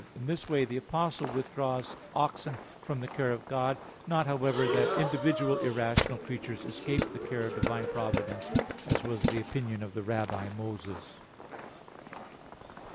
In this way, the Apostle withdraws oxen from the care of God: not, however, that individual irrational creatures escape the care of divine providence; as was the opinion of the Rabbi Moses.